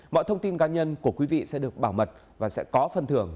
mọi thông tin cá nhân của quý vị sẽ được bảo mật và sẽ có phần thưởng